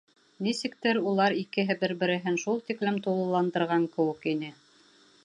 Нисектер улар икеһе бер-береһен шул тиклем тулыландырған кеүек ине.